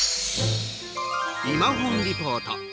「いまほんリポート」。